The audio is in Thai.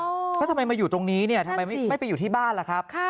แล้วทำไมมาอยู่ตรงนี้เนี่ยทำไมไม่ไปอยู่ที่บ้านล่ะครับ